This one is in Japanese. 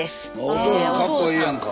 お父さんかっこいいやんか。